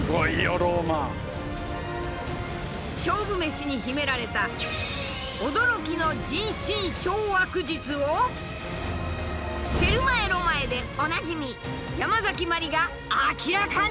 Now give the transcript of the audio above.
勝負メシに秘められた驚きの人心掌握術を「テルマエ・ロマエ」でおなじみヤマザキマリが明らかに！